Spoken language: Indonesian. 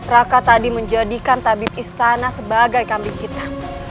raka tadi menjadikan tabik istana sebagai kambing kita